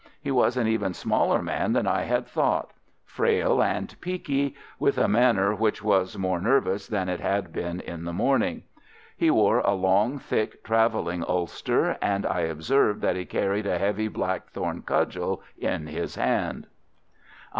He was an even smaller man than I had thought—frail and peaky, with a manner which was more nervous than it had been in the morning. He wore a long, thick travelling ulster, and I observed that he carried a heavy blackthorn cudgel in his hand.